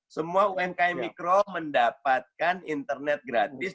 semua umkm mikro mendapatkan internet gratis